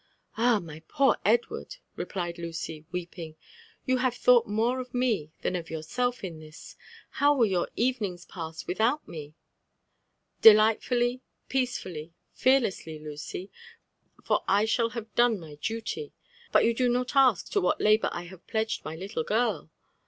"Ah! my poor Edward!'' replied Lucy, weeping, "yon have thought more of me (ban of yourself in this. How will your evenings pass without me ?"" Delightfully, peacefully, .fearlessly, Lucy ; for I shall have done my duty. But you do not aadk to what labour I have pledged my little girl?